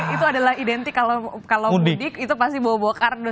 itu adalah identik kalau mudik itu pasti bawa bawa kardus